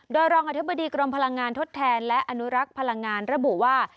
โดยรองอธิบดีกรมพลังงานทดแทนและอนุรักษ์พลังงานระบุว่า